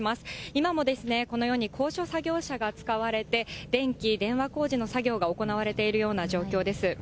今もこのように高所作業車が使われて、電気、電話工事の作業が行われているような状況です。